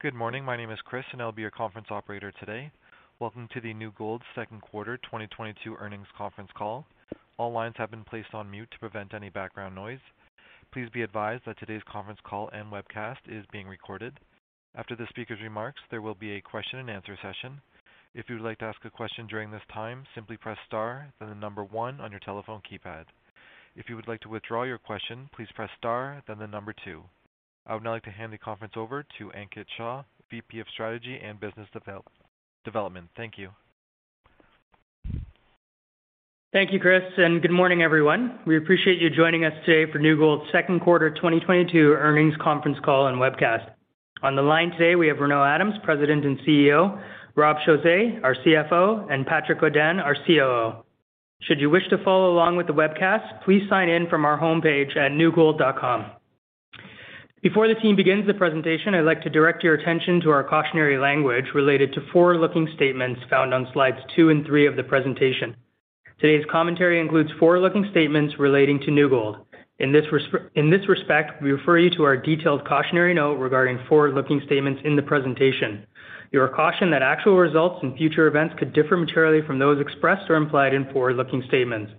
Good morning. My name is Chris, and I'll be your conference operator today. Welcome to the New Gold second quarter 2022 earnings conference call. All lines have been placed on mute to prevent any background noise. Please be advised that today's conference call and webcast is being recorded. After the speaker's remarks, there will be a question-and-answer session. If you would like to ask a question during this time, simply press star, then the number one on your telephone keypad. If you would like to withdraw your question, please press star, then the number two. I would now like to hand the conference over to Ankit Shah, VP of Strategy and Business Development. Thank you. Thank you, Chris, and good morning, everyone. We appreciate you joining us today for New Gold's second quarter 2022 earnings conference call and webcast. On the line today, we have Renaud Adams, President and CEO, Rob Chausse, our CFO, and Patrick Godin, our COO. Should you wish to follow along with the webcast, please sign in from our homepage at newgold.com. Before the team begins the presentation, I'd like to direct your attention to our cautionary language related to forward-looking statements found on Slides two and three of the presentation. Today's commentary includes forward-looking statements relating to New Gold. In this respect, we refer you to our detailed cautionary note regarding forward-looking statements in the presentation. You are cautioned that actual results in future events could differ materially from those expressed or implied in forward-looking statements.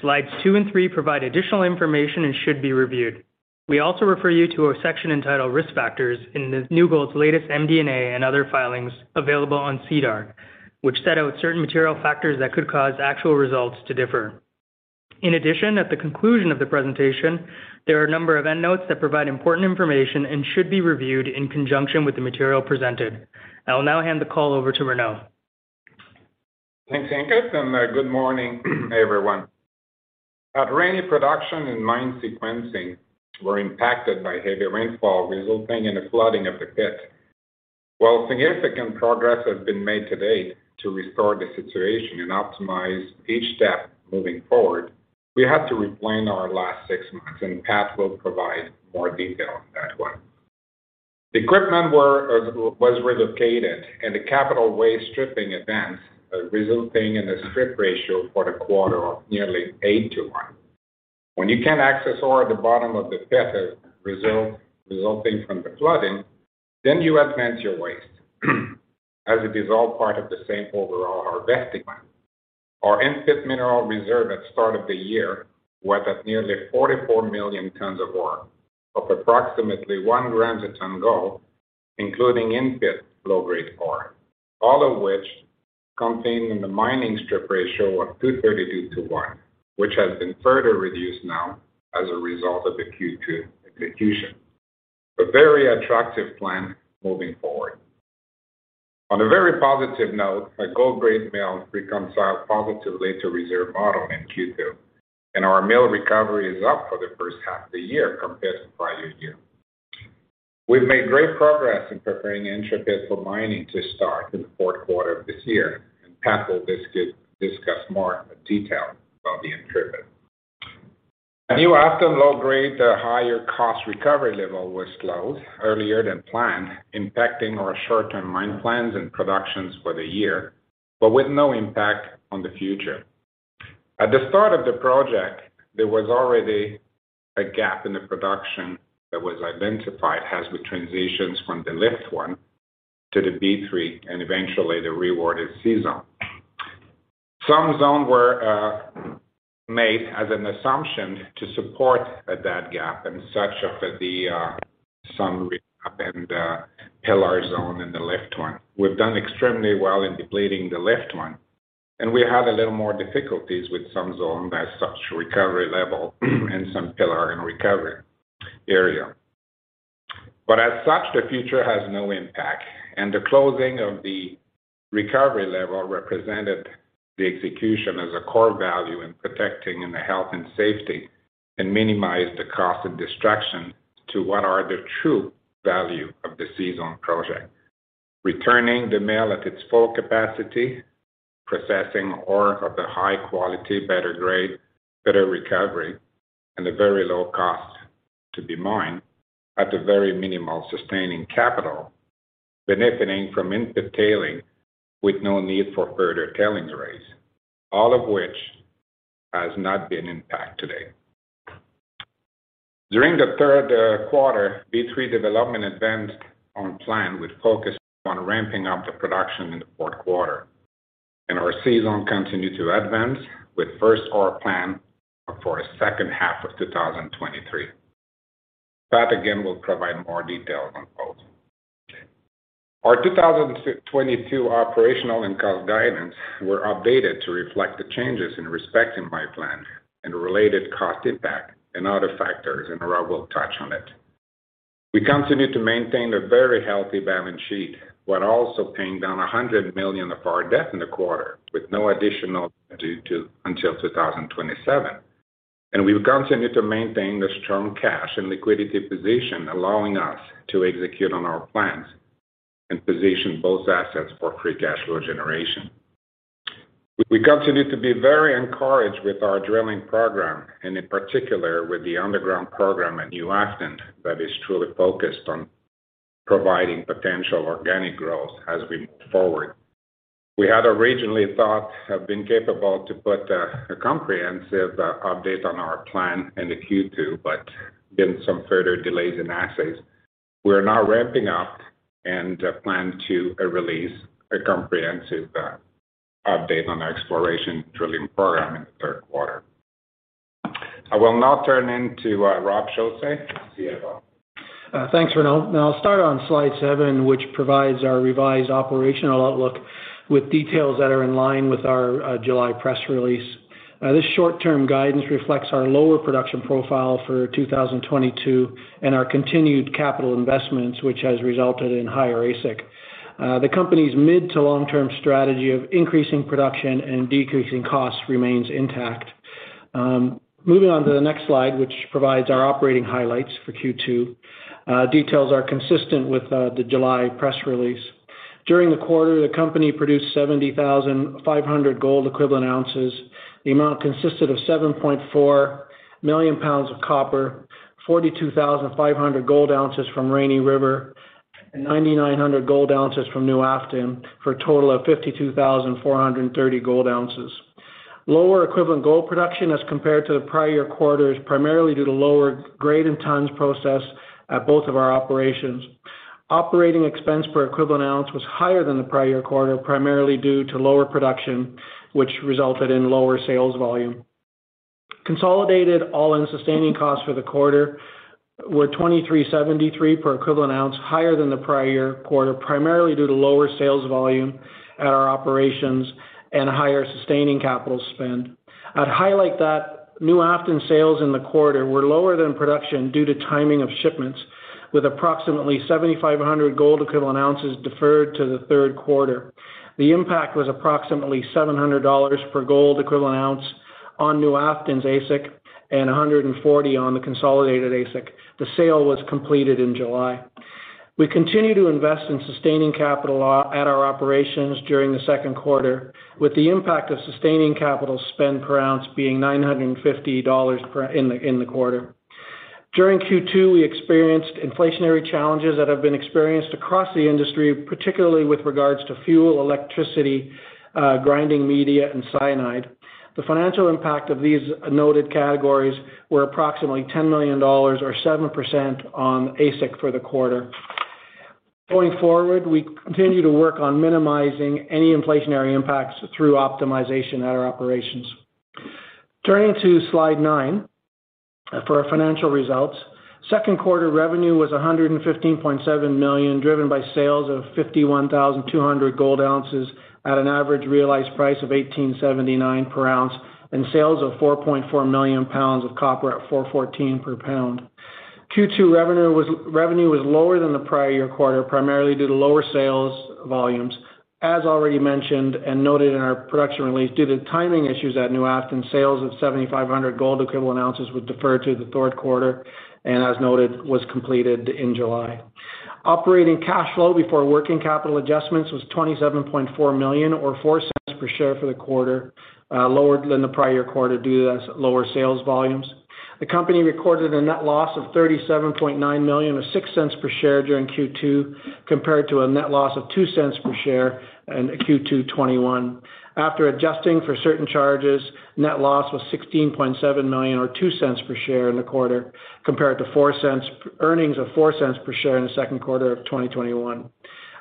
Slides two and three provide additional information and should be reviewed. We also refer you to a section entitled Risk Factors in New Gold's latest MD&A and other filings available on SEDAR, which set out certain material factors that could cause actual results to differ. In addition, at the conclusion of the presentation, there are a number of endnotes that provide important information and should be reviewed in conjunction with the material presented. I will now hand the call over to Renaud. Thanks, Ankit, and good morning everyone. At Rainy River production and mine sequencing were impacted by heavy rainfall resulting in the flooding of the pit. While significant progress has been made to date to restore the situation and optimize each step moving forward, we have to replan our last six months, and Pat will provide more detail on that one. The equipment was relocated and the capital waste stripping events resulting in a strip ratio for the quarter of nearly 8 to 1. When you can't access ore at the bottom of the pit resulting from the flooding, then you advance your waste, as it is all part of the same overall harvesting plan. Our in-pit mineral reserve at start of the year was at nearly 44 million tons of ore of approximately one gram per ton gold, including in-pit low-grade ore, all of which contained in the mining strip ratio of 2.32 to 1, which has been further reduced now as a result of the Q2 execution. A very attractive plan moving forward. On a very positive note, a gold grade mill reconciled positively to reserve model in Q2, and our mill recovery is up for the first half of the year compared to prior year. We've made great progress in preparing in-pit mining to start in the fourth quarter of this year. Pat will discuss more in detail about the in-pit. New Afton low-grade, higher cost recovery level was closed earlier than planned, impacting our short-term mine plans and production for the year, but with no impact on the future. At the start of the project, there was already a gap in the production that was identified as we transition from the Lift 1 to the B3 and eventually the C-Zone. Some zones were made as an assumption to support that gap and such as the some remnant and pillar zone in the Lift 1. We've done extremely well in depleting the Lift 1, and we had a little more difficulties with some zones such as recovery level and some pillar and recovery area. As such, the future has no impact. The closing of the recovery level represented the execution as a core value in protecting and the health and safety, and minimized the cost of distraction to what are the true value of the C-Zone project. Returning the mill at its full capacity, processing ore of the high quality, better grade, better recovery, and the very low cost to be mined at the very minimal sustaining capital, benefiting from in-pit tailings with no need for further tailings raise, all of which has not been impacted today. During the third quarter, B3 development advanced on plan with focus on ramping up the production in the fourth quarter. Our C-Zone continued to advance with first ore plan for a second half of 2023. Pat, again, will provide more details on both. Our 2022 operational and cost guidance were updated to reflect the changes in respect of mine plan and related cost impact and other factors, and Rob will touch on it. We continue to maintain a very healthy balance sheet, while also paying down $100 million of our debt in the quarter with no additional debt due until 2027. We will continue to maintain a strong cash and liquidity position, allowing us to execute on our plans and position both assets for free cash flow generation. We continue to be very encouraged with our drilling program and in particular with the underground program at New Afton that is truly focused on providing potential organic growth as we move forward. We had originally thought we would be able to put a comprehensive update on our plan in Q2, but there have been some further delays in assays. We're now ramping up and plan to release a comprehensive update on our exploration drilling program in the third quarter. I will now turn it over to Rob Chausse, CFO. Thanks, Renaud. Now I'll start on Slide seven, which provides our revised operational outlook with details that are in line with our July press release. This short-term guidance reflects our lower production profile for 2022 and our continued capital investments, which has resulted in higher AISC. The company's mid to long-term strategy of increasing production and decreasing costs remains intact. Moving on to the next slide, which provides our operating highlights for Q2. Details are consistent with the July press release. During the quarter, the company produced 70,500 gold equivalent ounces. The amount consisted of 7.4 million pounds of copper, 42,500 gold ounces from Rainy River, and 9,900 gold ounces from New Afton, for a total of 52,430 gold ounces. Lower equivalent gold production as compared to the prior quarter is primarily due to lower grade and tons processed at both of our operations. Operating expense per equivalent ounce was higher than the prior quarter, primarily due to lower production, which resulted in lower sales volume. Consolidated all-in sustaining costs for the quarter were $2,373 per equivalent ounce, higher than the prior quarter, primarily due to lower sales volume at our operations and higher sustaining capital spend. I'd highlight that New Afton sales in the quarter were lower than production due to timing of shipments, with approximately 7,500 gold equivalent ounces deferred to the third quarter. The impact was approximately $700 per gold equivalent ounce on New Afton's AISC and $140 on the consolidated AISC. The sale was completed in July. We continued to invest in sustaining capital at our operations during the second quarter, with the impact of sustaining capital spend per ounce being $950 per ounce in the quarter. During Q2, we experienced inflationary challenges that have been experienced across the industry, particularly with regards to fuel, electricity, grinding media, and cyanide. The financial impact of these noted categories were approximately $10 million or 7% on AISC for the quarter. Going forward, we continue to work on minimizing any inflationary impacts through optimization at our operations. Turning to Slide nine for our financial results. Second quarter revenue was $115.7 million, driven by sales of 51,200 gold ounces at an average realized price of $1,879 per ounce and sales of 4.4 million pounds of copper at $4.14 per pound. Q2 revenue was lower than the prior year quarter, primarily due to lower sales volumes. As already mentioned and noted in our production release, due to timing issues at New Afton, sales of 7,500 gold equivalent ounces were deferred to the third quarter and as noted, was completed in July. Operating cash flow before working capital adjustments was $27.4 million or $0.04 per share for the quarter, lower than the prior quarter due to those lower sales volumes. The company recorded a net loss of $37.9 million or $0.06 per share during Q2, compared to a net loss of $0.02 per share in Q2 2021. After adjusting for certain charges, net loss was $16.7 million or $0.02 per share in the quarter, compared to earnings of $0.04 per share in the second quarter of 2021.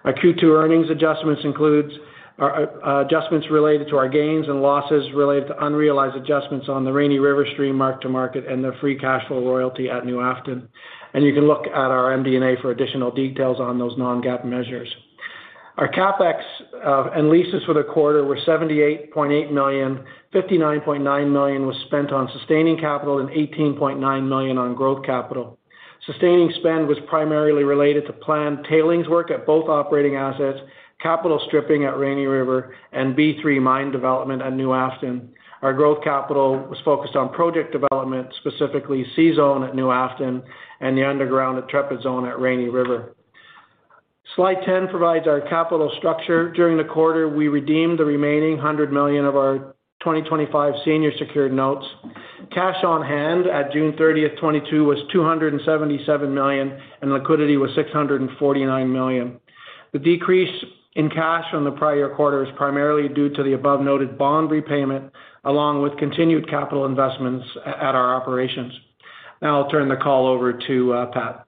Our Q2 earnings adjustments includes our, adjustments related to our gains and losses related to unrealized adjustments on the Rainy River stream mark-to-market and the free cash flow royalty at New Afton. You can look at our MD&A for additional details on those non-GAAP measures. Our CapEx and leases for the quarter were $78.8 million. $59.9 million was spent on sustaining capital and $18.9 million on growth capital. Sustaining spend was primarily related to planned tailings work at both operating assets, capital stripping at Rainy River and B3 mine development at New Afton. Our growth capital was focused on project development, specifically C-Zone at New Afton and the underground at Intrepid Zone at Rainy River. Slide 10 provides our capital structure. During the quarter, we redeemed the remaining $100 million of our 2025 senior secured notes. Cash on hand at June 30, 2022 was $277 million, and liquidity was $649 million. The decrease in cash from the prior quarter is primarily due to the above noted bond repayment, along with continued capital investments at our operations. Now I'll turn the call over to Pat.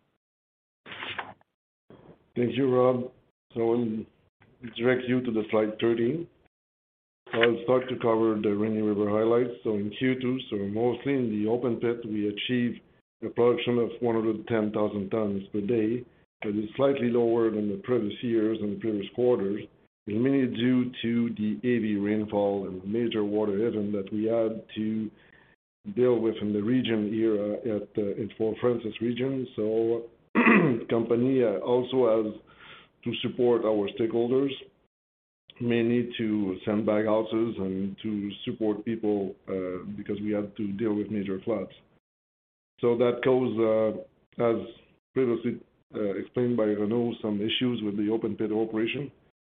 Thank you, Rob. I'll direct you to the Slide 13. I'll start to cover the Rainy River highlights. In Q2, so mostly in the open pit, we achieved a production of 110,000 tonnes per day. That is slightly lower than the previous years and the previous quarters, mainly due to the heavy rainfall and major water event that we had to deal with in the region here at Fort Frances region. The company also has to support our stakeholders, mainly to sandbag houses and to support people, because we had to deal with major floods. That caused, as previously explained by Renaud, some issues with the open pit operation,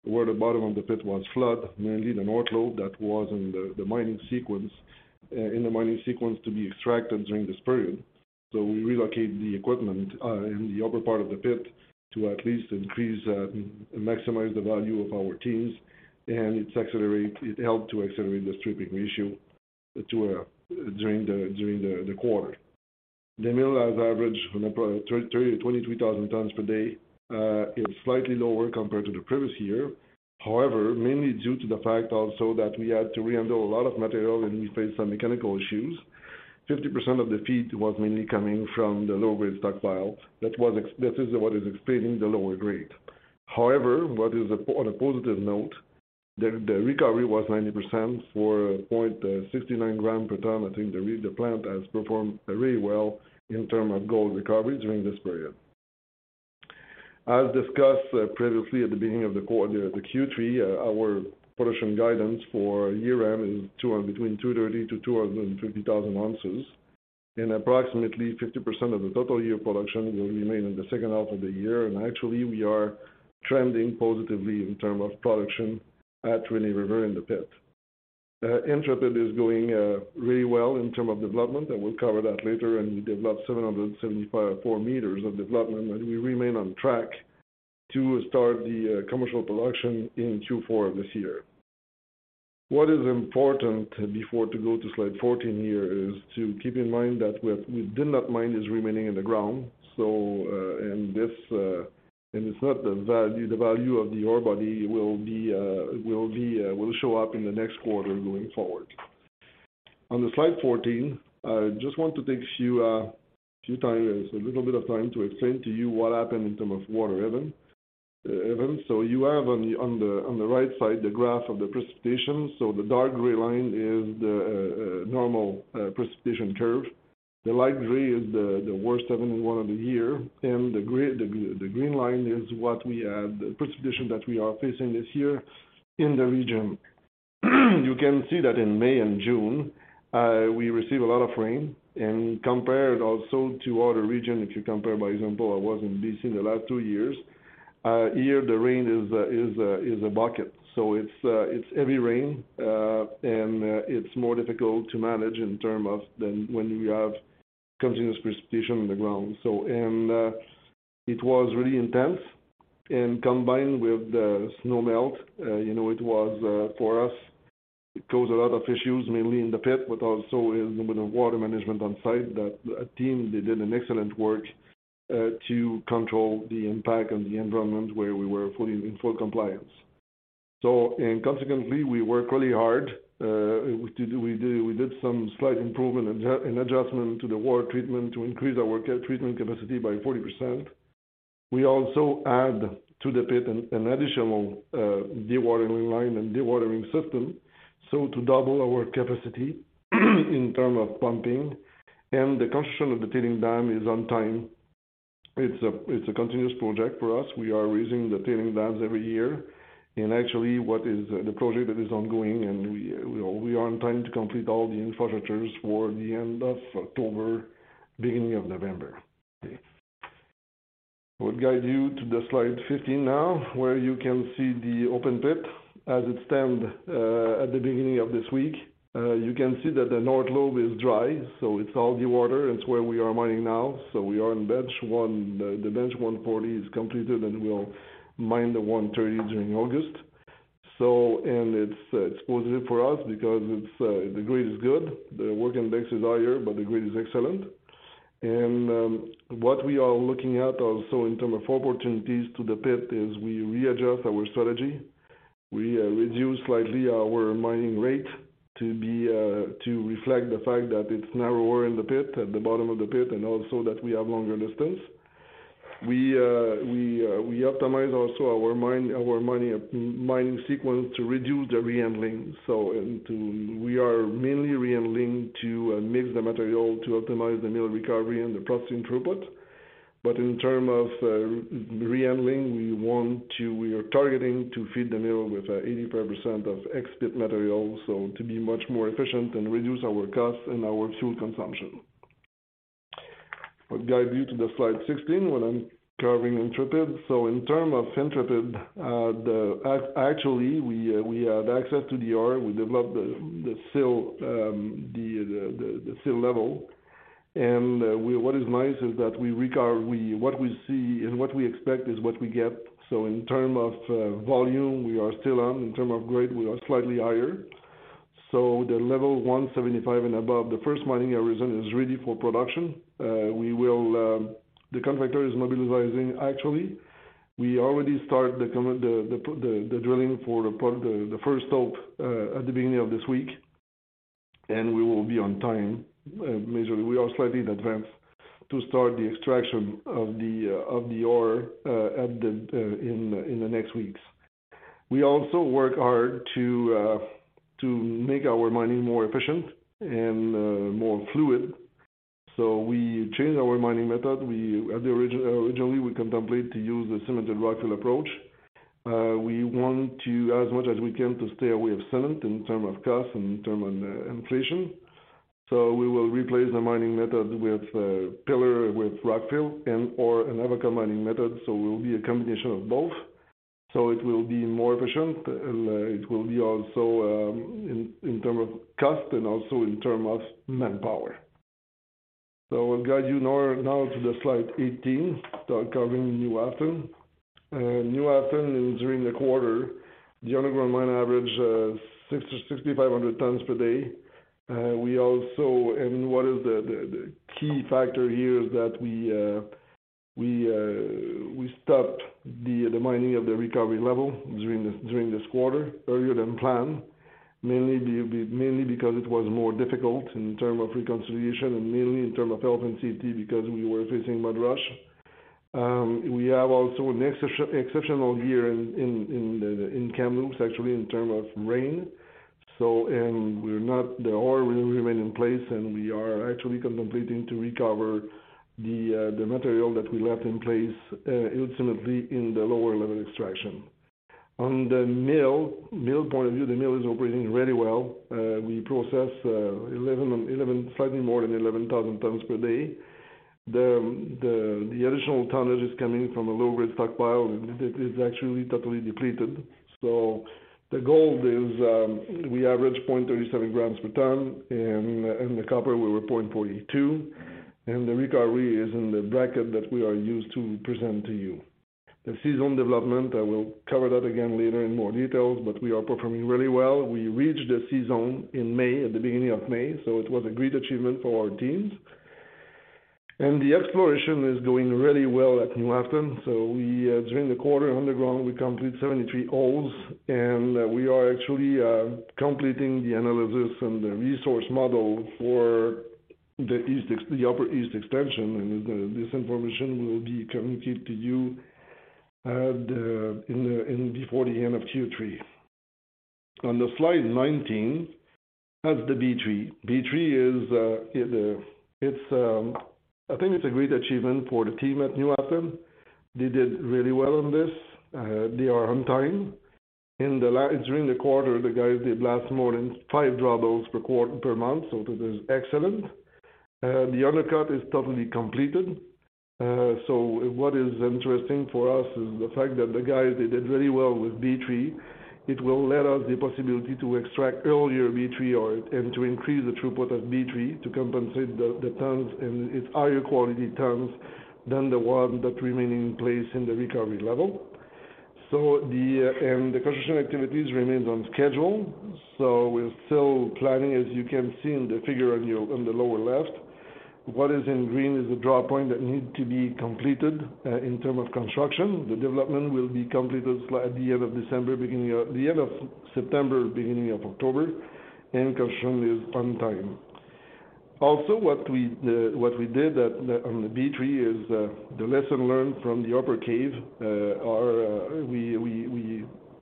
where the bottom of the pit was flooded, mainly the north load that was in the mining sequence to be extracted during this period. We relocated the equipment in the upper part of the pit to at least increase and maximize the value of our teams, and it helped to accelerate the strip ratio during the quarter. The mill has averaged from 30-23,000 tons per day. It's slightly lower compared to the previous year. However, mainly due to the fact also that we had to rehandle a lot of material, and we faced some mechanical issues. 50% of the feed was mainly coming from the low-grade stockpile. That is what is explaining the lower grade. However, on a positive note, the recovery was 90% for 0.69 gram per ton. I think the plant has performed really well in terms of gold recovery during this period. As discussed, previously at the beginning of the Q3, our production guidance for year-end is between 230,000-250,000 ounces. Approximately 50% of the total year production will remain in the second half of the year. Actually, we are trending positively in terms of production at Rainy River in the pit. Intrepid is doing really well in terms of development, and we'll cover that later. We developed 775.4 meters of development, and we remain on track to start the commercial production in Q4 of this year. What is important before going to Slide 14 here is to keep in mind that we have not mined is remaining in the ground. It's not lost, the value of the ore body will show up in the next quarter going forward. On Slide 14, I just want to take a little bit of time to explain to you what happened in terms of water events. You have on the right side the graph of the precipitation. The dark gray line is the normal precipitation curve. The light gray is the worst event in one of the year. The gray, the green line is what we had, the precipitation that we are facing this year in the region. You can see that in May and June, we received a lot of rain. Compared also to other region, if you compare for example, I was in BC in the last two years, here the rain is a bucket. It's heavy rain, and it's more difficult to manage in terms of than when you have continuous precipitation on the ground. It was really intense. Combined with the snow melt, it was for us, it caused a lot of issues, mainly in the pit, but also in with the water management on site. That team, they did an excellent work to control the impact on the environment where we were fully in full compliance. Consequently, we work really hard. We did some slight improvement and adjustment to the water treatment to increase our treatment capacity by 40%. We also add to the pit an additional dewatering line and dewatering system, so to double our capacity in terms of pumping. The construction of the tailings dam is on time. It's a continuous project for us. We are raising the tailings dams every year. Actually, what is the project that is ongoing, and we are on time to complete all the infrastructures for the end of October, beginning of November. Okay. We'll guide you to the Slide 15 now, where you can see the open pit as it stands at the beginning of this week. You can see that the north lobe is dry, so it's all dewatered. It's where we are mining now, so we are in Bench 1. The Bench 140 is completed, and we'll mine the 130 during August. It's positive for us because the grade is good. The work index is higher, but the grade is excellent. What we are looking at also in terms of opportunities to the pit is we readjust our strategy. We reduce slightly our mining rate to reflect the fact that it's narrower in the pit, at the bottom of the pit, and also that we have longer distance. We optimize also our mine, our mining sequence to reduce the rehandling. We are mainly rehandling to mix the material to optimize the mill recovery and the processing throughput. In terms of rehandling, we want to, we are targeting to feed the mill with 85% of ex-pit material, so to be much more efficient and reduce our costs and our fuel consumption. I'll guide you to the Slide 16, where I'm covering Intrepid. In terms of Intrepid, actually, we have access to the ore. We developed the sill level. What is nice is that what we see and what we expect is what we get. In terms of volume, we are still on. In terms of grade, we are slightly higher. The level 175 and above, the first mining horizon is ready for production. The contractor is mobilizing. Actually, we already start the drilling for the first stope at the beginning of this week, and we will be on time, mainly. We are slightly in advance to start the extraction of the ore in the next weeks. We also work hard to make our mining more efficient and more fluid. We change our mining method. Originally, we contemplate to use the cemented rock fill approach. We want to, as much as we can, to stay away from cement in terms of cost and in terms of inflation. We will replace the mining method with pillar with rock fill and or an Avoca mining method, so will be a combination of both. It will be more efficient, and it will be also in term of cost and also in term of manpower. I'll guide you now to the Slide 18, covering New Afton. New Afton during the quarter, the underground mine average 6,000 tons-6,500 tons per day. What is the key factor here is that we stopped the mining of the recovery level during this quarter, earlier than planned, mainly because it was more difficult in term of reconciliation and mainly in term of health and safety because we were facing mud rush. We have also an exceptional year in Kamloops, actually, in terms of rain. The ore will remain in place, and we are actually contemplating to recover the material that we left in place ultimately in the lower level extraction. On the mill point of view, the mill is operating really well. We process slightly more than 11,000 tons per day. The additional tonnage is coming from a low-grade stockpile. It is actually totally depleted. The gold, we average 0.37 grams per ton, and the copper, we're at 0.42. The recovery is in the bracket that we are used to present to you. The C-Zone development, I will cover that again later in more details, but we are performing really well. We reached the C-Zone in May, at the beginning of May, so it was a great achievement for our teams. The exploration is doing really well at New Afton. During the quarter underground, we complete 73 holes, and we are actually completing the analysis and the resource model for the upper east extension. This information will be communicated to you before the end of Q3. On the Slide 19, that's the B3. B3 is a great achievement for the team at New Afton. They did really well on this. They are on time. During the quarter, the guys did blast more than five draw holes per month, so that is excellent. The undercut is totally completed. What is interesting for us is the fact that the guys, they did really well with B3. It will let us the possibility to extract earlier B3 ore and to increase the throughput of B3 to compensate the tons, and it's higher quality tons than the one that remain in place in the recovery level. The construction activities remains on schedule. We're still planning, as you can see in the figure on the lower left. What is in green is the draw point that need to be completed in terms of construction. The development will be completed at the end of September, beginning of October, and construction is on time. What we did at the B3 is the lesson learned from the upper cave,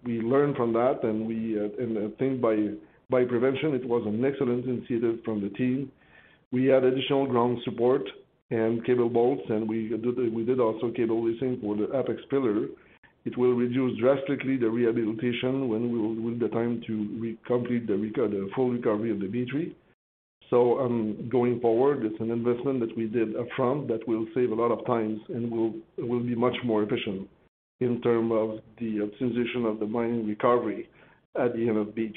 we learn from that, and I think by prevention, it was an excellent initiative from the team. We add additional ground support and cable bolts, and we did also cable lacing for the apex pillar. It will reduce drastically the rehabilitation when we will the time to complete the full recovery of the B3. Going forward, it's an investment that we did upfront that will save a lot of time, and it will be much more efficient in terms of the optimization of the mining recovery at the end of B3.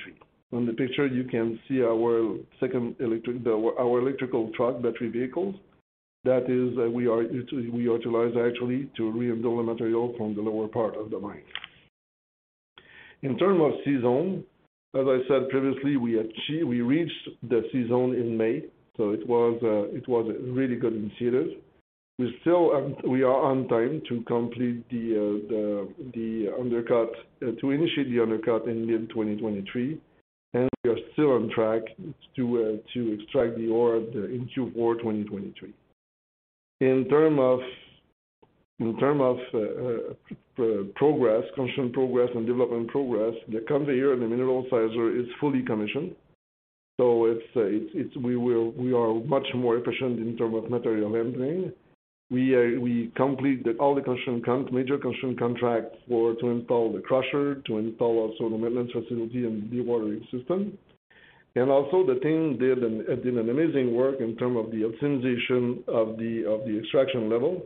On the picture, you can see our second electric our electrical truck battery vehicles. That is, we utilize actually to remove all the material from the lower part of the mine. In terms of C-Zone, as I said previously, we reached the C-Zone in May, so it was a really good initiative. We are still on time to initiate the undercut in mid-2023, and we are still on track to extract the ore at the end of Q4 2023. In terms of progress, construction progress and development progress, the conveyor and the Mineral Sizer is fully commissioned. We are much more efficient in terms of material handling. We complete all the major construction contracts for to install the crusher, to install also the maintenance facility and dewatering system. The team did amazing work in terms of the optimization of the extraction level.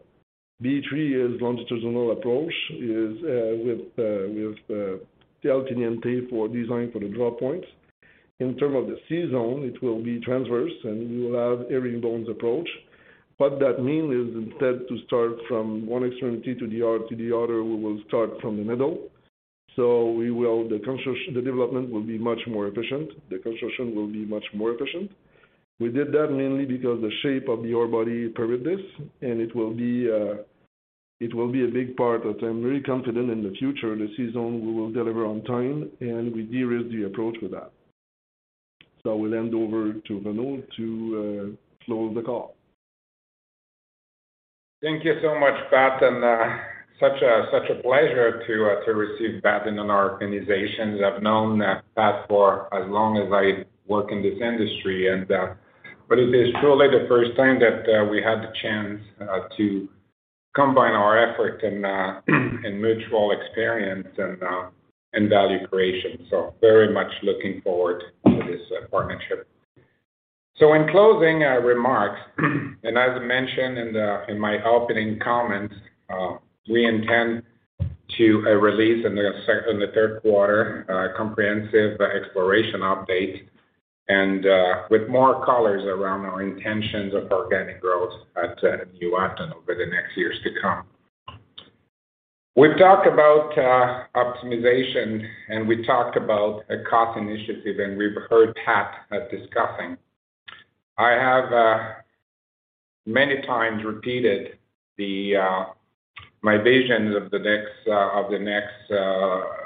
B3 is longitudinal approach. It is with the LHD template for design for the draw points. In terms of the C-Zone, it will be transverse, and we will have herringbone approach. What that means is instead to start from one extremity to the other, we will start from the middle. The development will be much more efficient. The construction will be much more efficient. We did that mainly because the shape of the ore body permit this, and it will be a big part that I'm very confident in the future, the C-Zone, we will deliver on time, and we de-risk the approach with that. I will hand over to Renaud to close the call. Thank you so much, Pat, and such a pleasure to receive Pat in an organization. I've known Pat for as long as I work in this industry, but it is truly the first time that we had the chance to combine our effort and mutual experience and value creation. Very much looking forward to this partnership. In closing remarks, and as mentioned in my opening comments, we intend to release in the third quarter a comprehensive exploration update and with more colors around our intentions of organic growth at New Afton over the next years to come. We've talked about optimization, and we talked about a cost initiative, and we've heard Pat discussing. I have many times repeated my visions of the next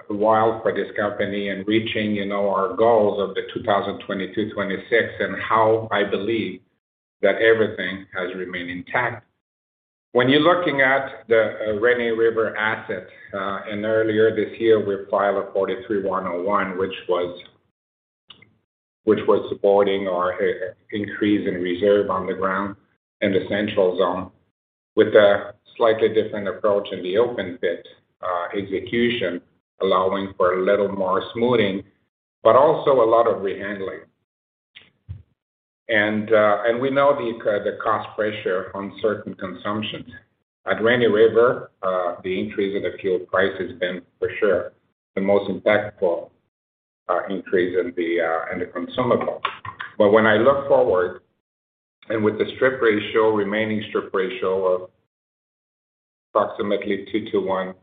while for this company and reaching, you know, our goals of 2020-2026, and how I believe that everything has remained intact. When you're looking at the Rainy River asset and earlier this year we filed a NI 43-101, which was supporting our increase in reserve on the ground in the central zone with a slightly different approach in the open pit execution, allowing for a little more smoothing but also a lot of rehandling. We know the cost pressure on certain consumables. At Rainy River, the increase in the fuel price has been, for sure, the most impactful increase in the consumable. When I look forward and with the strip ratio, remaining strip ratio of approximately 2-to-1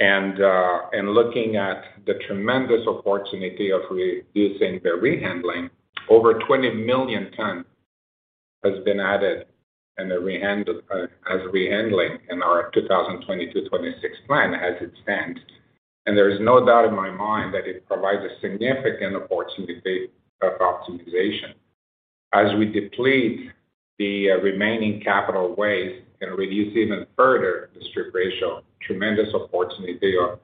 and looking at the tremendous opportunity of re-using the rehandling, over 20 million tons has been added in the rehandling in our 2020-2026 plan as it stands. There is no doubt in my mind that it provides a significant opportunity of optimization. As we deplete the remaining capital waste and reduce even further the strip ratio, tremendous opportunity of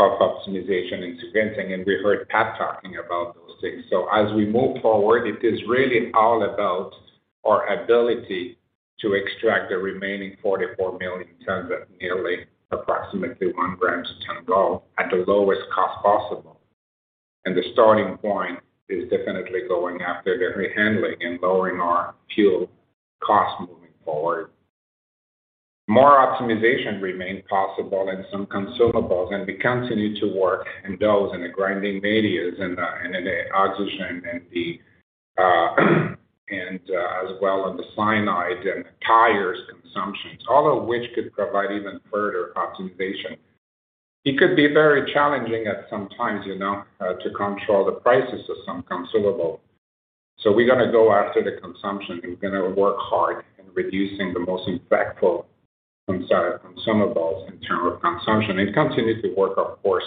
optimization in cementing. We heard Pat talking about those things. As we move forward, it is really all about our ability to extract the remaining 44 million tons at nearly approximately 1 g per tonne gold at the lowest cost possible. The starting point is definitely going after the rehandling and lowering our fuel cost moving forward. More optimization remains possible in some consumables, and we continue to work in those, in the grinding media and in the oxygen and as well in the cyanide and tires consumptions, all of which could provide even further optimization. It could be very challenging at some times, you know, to control the prices of some consumable. We're gonna go after the consumption and gonna work hard in reducing the most impactful consumables in terms of consumption and continue to work, of course,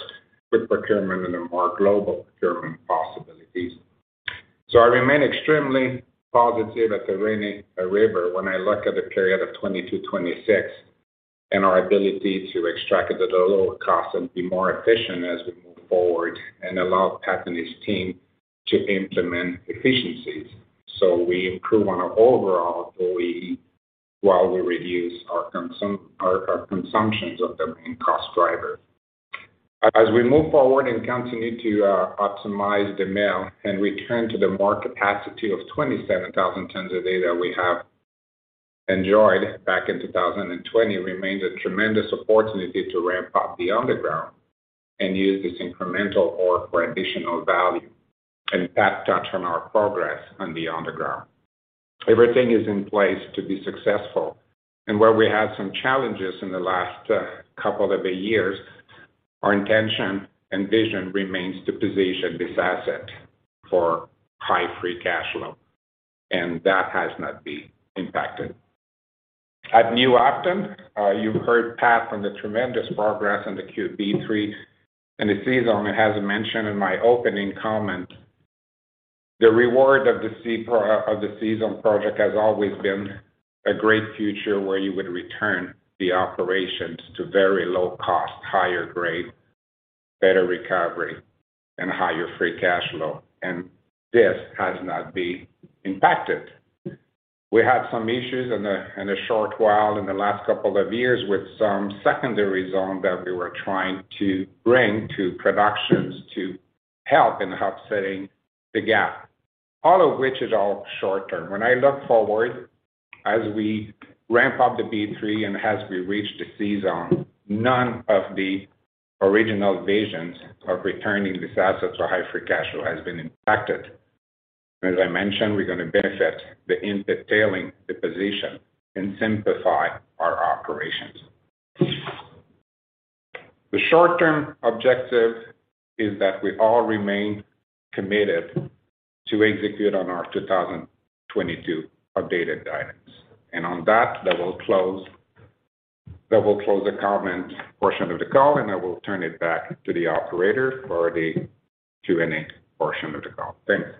with procurement and the more global procurement possibilities. I remain extremely positive at the Rainy River when I look at the period of 2020-2026 and our ability to extract it at a lower cost and be more efficient as we move forward and allow Pat and his team to implement efficiencies. We improve on our overall FCF while we reduce our consumptions of the main cost driver. As we move forward and continue to optimize the mill and return to the normal capacity of 27,000 tons a day that we have enjoyed back in 2020, remains a tremendous opportunity to ramp up the underground and use this incremental ore for additional value. Pat touched on our progress on the underground. Everything is in place to be successful. Where we had some challenges in the last couple of years, our intention and vision remains to position this asset for high free cash flow, and that has not been impacted. At New Afton, you've heard Pat on the tremendous progress on the B3 and the C-Zone. As mentioned in my opening comment, the reward of the C-Zone project has always been a great future where you would return the operations to very low cost, higher grade, better recovery and higher Free Cash Flow. This has not been impacted. We had some issues in a short while in the last couple of years with some secondary zone that we were trying to bring to production to help in offsetting the gap. All of which is all short-term. When I look forward as we ramp up the B3 and as we reach the C-Zone, none of the original visions of returning this asset to high free cash flow has been impacted. As I mentioned, we're going to benefit the in-pit tailings deposition and simplify our operations. The short-term objective is that we all remain committed to execute on our 2022 updated guidance. On that will close the comment portion of the call, and I will turn it back to the operator for the Q&A portion of the call. Thank you.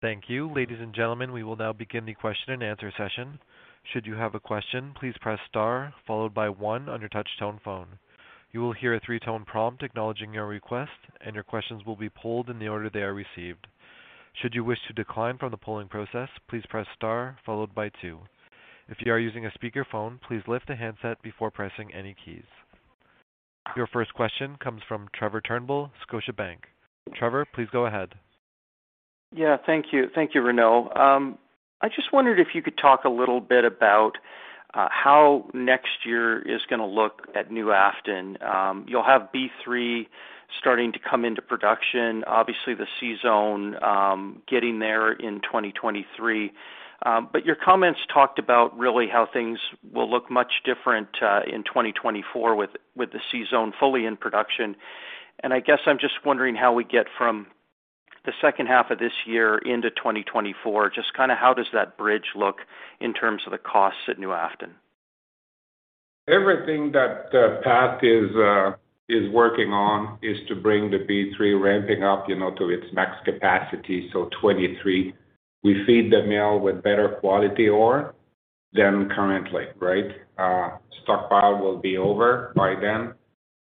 Thank you. Ladies and gentlemen, we will now begin the questionn-and-answer session. Should you have a question, please press star followed by one on your touch tone phone. You will hear a three-tone prompt acknowledging your request, and your questions will be polled in the order they are received. Should you wish to decline from the polling process, please press star followed by two. If you are using a speakerphone, please lift the handset before pressing any keys. Your first question comes from Trevor Turnbull, Scotiabank. Trevor, please go ahead. Yeah, thank you. Thank you, Renaud. I just wondered if you could talk a little bit about how next year is gonna look at New Afton. You'll have B3 starting to come into production. Obviously, the C-Zone getting there in 2023. But your comments talked about really how things will look much different in 2024 with the C-Zone fully in production. I guess I'm just wondering how we get from the second half of this year into 2024, just kinda how does that bridge look in terms of the costs at New Afton? Everything that Pat is working on is to bring the B3 ramping up, you know, to its max capacity, so 2023. We feed the mill with better quality ore than currently, right? Stockpile will be over by then,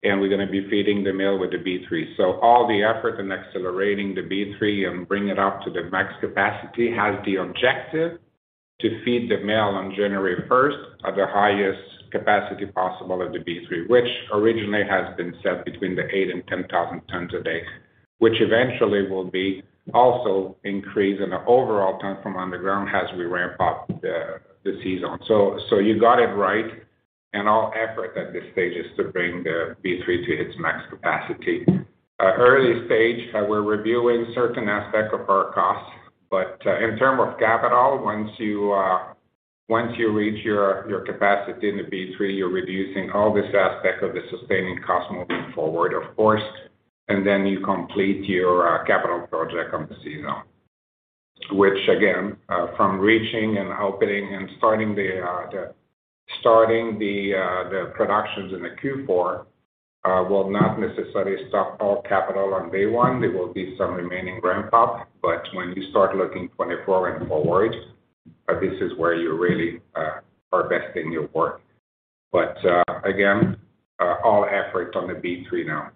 and we're gonna be feeding the mill with the B3. All the effort in accelerating the B3 and bring it up to the max capacity has the objective to feed the mill on January first at the highest capacity possible of the B3, which originally has been set between 8 t and 10,000 t a day, which eventually will be also increased in the overall ton from underground as we ramp up the C-Zone. You got it right, and our effort at this stage is to bring the B3 to its max capacity. Early stage, we're reviewing certain aspect of our costs. In terms of capital, once you reach your capacity in the B3, you're reducing all this aspect of the sustaining cost moving forward, of course. You complete your capital project on the C-Zone, which again, from reaching and opening and starting the productions in the Q4, will not necessarily stop all capital on day one. There will be some remaining ramp-up. When you start looking 2024 and forward, this is where you really are investing your work. Again, all efforts on the B3 now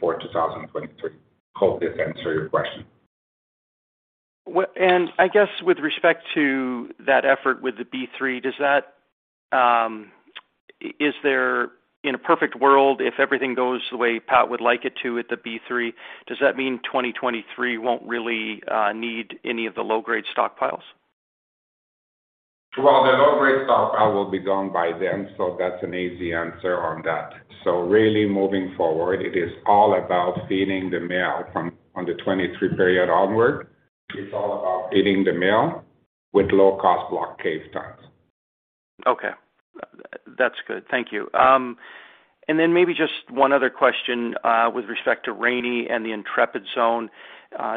for 2023. Hope this answer your question. Well, I guess with respect to that effort with the B3, is there, in a perfect world, if everything goes the way Pat would like it to with the B3, does that mean 2023 won't really need any of the low-grade stockpiles? Well, the low grade stockpile will be gone by then, so that's an easy answer on that. Really moving forward, it is all about feeding the mill from 2023 period onward. It's all about feeding the mill with low cost block cave tons. Okay. That's good. Thank you. Maybe just one other question with respect to Rainy and the Intrepid Zone.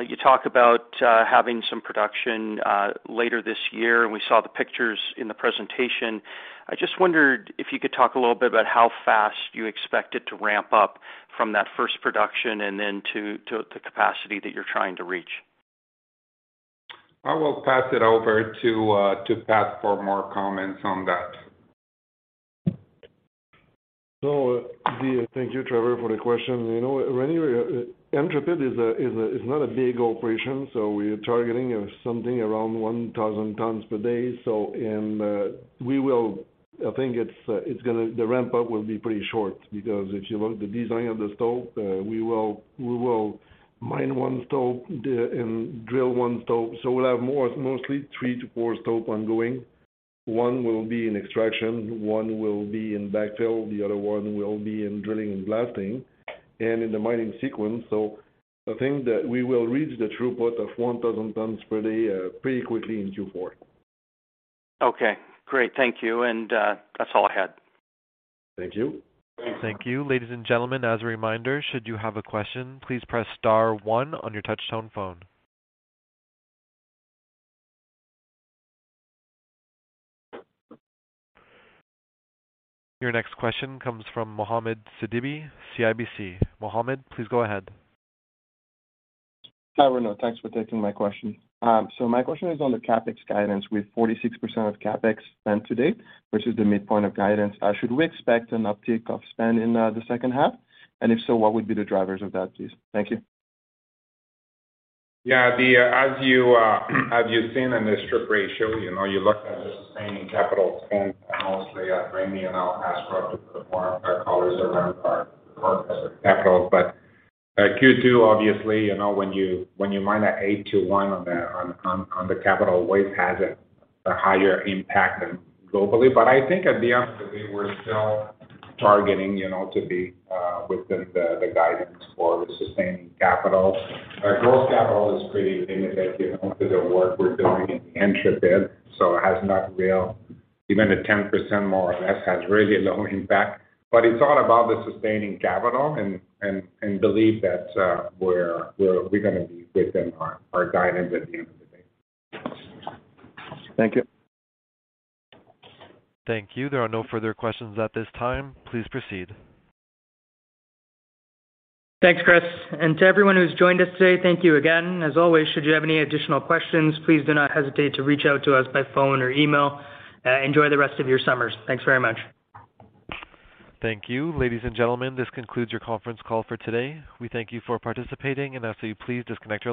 You talk about having some production later this year, and we saw the pictures in the presentation. I just wondered if you could talk a little bit about how fast you expect it to ramp up from that first production and then to the capacity that you're trying to reach. I will pass it over to Pat for more comments on that. Thank you, Trevor, for the question. You know, Rainy River Intrepid is not a big operation, so we are targeting something around 1,000 t per day. The ramp up will be pretty short because if you look at the design of the stope, we will mine one stope and drill one stope. We'll have more, mostly three to four stopes ongoing. One will be in extraction, one will be in backfill, the other one will be in drilling and blasting and in the mining sequence. I think that we will reach the throughput of 1,000 t per day pretty quickly in Q4. Okay, great. Thank you. That's all I had. Thank you. Thank you. Ladies and gentlemen, as a reminder, should you have a question, please press star one on your touch tone phone. Your next question comes from Mohamed Sidibe, CIBC. Mohamed, please go ahead. Hi, Renaud. Thanks for taking my question. My question is on the CapEx guidance with 46% of CapEx spent to date versus the midpoint of guidance. Should we expect an uptick of spend in the second half? If so, what would be the drivers of that, please? Thank you. Yeah. The, as you've seen in the strip ratio, you know, you look at the sustaining capital spend, and mostly at Rainy and I'll ask Rob to put more of our colors around our capital. Q2, obviously, you know, when you mine at eight to one on the capital always has a higher impact than globally. I think at the end of the day, we're still targeting, you know, to be within the guidance for the sustaining capital. Our growth capital is pretty limited, you know, to the work we're doing in the Intrepid. Even the 10% more or less has really low impact. It's all about the sustaining capital and believe that we're gonna be within our guidance at the end of the day. Thank you. Thank you. There are no further questions at this time. Please proceed. Thanks, Chris. To everyone who's joined us today, thank you again. As always, should you have any additional questions, please do not hesitate to reach out to us by phone or email. Enjoy the rest of your summers. Thanks very much. Thank you. Ladies and gentlemen, this concludes your conference call for today. We thank you for participating, and I ask that you please disconnect your.